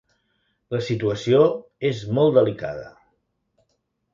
La situació és molt delicada.